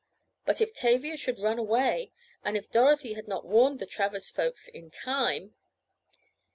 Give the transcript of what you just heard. But if Tavia should run away! And if Dorothy had not warned the Travers folks in time!